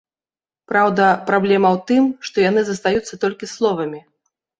Праўда, праблема ў тым, што яны застаюцца толькі словамі.